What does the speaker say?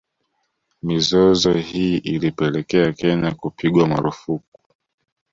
Mizozo hii ilipelekea Kenya kupigwa marufuku